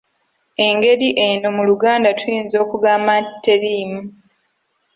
Engeri eno mu Luganda tuyinza okugamba nti teriimu.